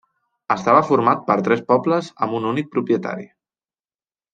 Estava format per tres pobles amb un únic propietari.